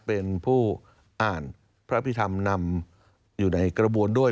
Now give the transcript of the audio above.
เป็นผู้อ่านพระพิธรรมนำอยู่ในกระบวนด้วย